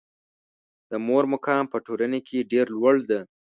د مور مقام په ټولنه کې ډېر لوړ ده.